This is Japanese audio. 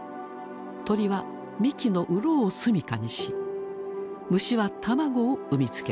鳥は幹のうろを住みかにし虫は卵を産み付ける。